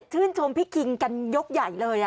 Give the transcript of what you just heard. ชมพี่คิงกันยกใหญ่เลย